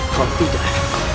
kau tidak akan